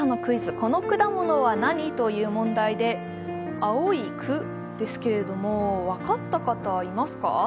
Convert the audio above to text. この果物は何？という問題で青い「く」ですが、分かった方、いますか？